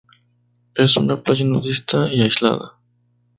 Es una playa nudista y aislada.